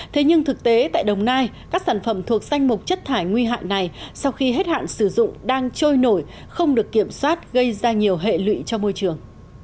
thế nhưng thực tế tại đồng nai các sản phẩm thuộc danh mục chất thải nguy hại này sau khi hết hạn sử dụng đang trôi nổi không được kiểm soát gây ra nhiều hệ lụy cho môi trường